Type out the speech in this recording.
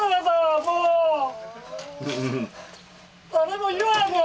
誰も言わんから！